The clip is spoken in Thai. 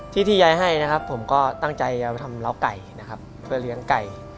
ที่ที่ยายให้นะครับผมก็ตั้งใจจะไปทำเล้าไก่นะครับเพื่อเลี้ยงไก่